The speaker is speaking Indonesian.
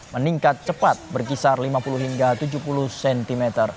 meningkat cepat berkisar lima puluh hingga tujuh puluh cm